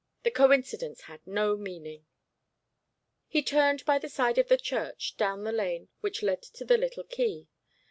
The coincidence had no meaning. He turned by the side of the church down the lane which led to the little quay.